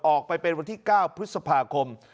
ออกไปเป็นวันที่๙พฤษภาคม